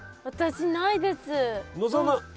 私ないです。